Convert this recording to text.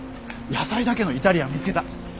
野菜だけのイタリアン見つけた。